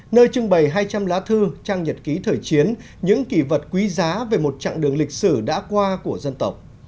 nơi trưng bày hai trăm linh lá thư trang nhật ký thời chiến những kỳ vật quý giá về một chặng đường lịch sử đã qua của dân tộc